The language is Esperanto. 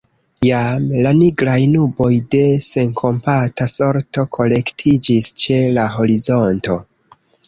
Jam la nigraj nuboj de senkompata sorto kolektiĝis ĉe la horizonto.